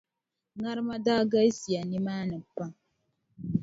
Ŋarima daa galisiya nimaani pam.